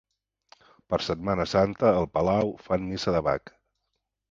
Per Setmana Santa, al Palau fan Missa de Bach.